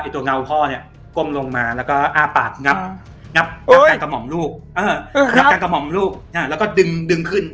ถ้าเราเข้างับกลางกระหม่อมิรูปแล้วก็ดึงดึงขึ้น